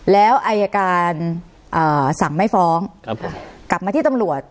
แล้วอายการสั่งไม่ฟ้องกลับมาที่ตำรวจ